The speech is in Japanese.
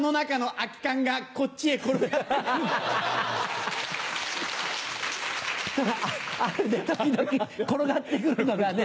あるね時々転がって来るのがね。